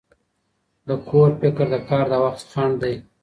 د کور فکر د کار د وخت خنډ دی.